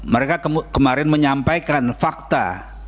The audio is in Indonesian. mereka kemarin menyampaikan fakta